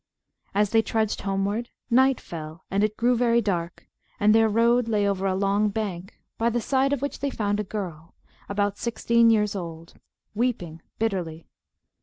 As they trudged homeward, night fell, and it grew very dark; and their road lay over a long bank, by the side of which they found a girl, about sixteen years old, weeping bitterly.